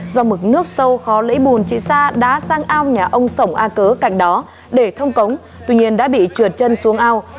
do mực nước sâu khó lấy bùn chị sa đã sang ao nhà ông sổng a cớ cảnh đó để thông cống tuy nhiên đã bị trượt chân xuống ao